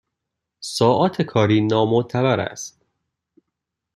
ساعات کاری نامعتبر است